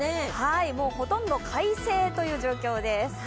ほとんど快晴という状況です。